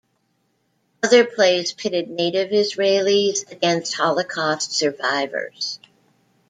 Other plays pitted native Israelis against Holocaust survivors.